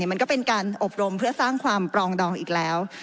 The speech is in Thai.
มันก็เป็นการอบรมเพื่อสร้างความปรองดองอีกแล้ว